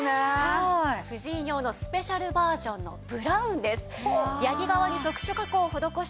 婦人用のスペシャルバージョンのブラウンです。